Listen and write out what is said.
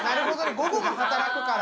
午後も働くから。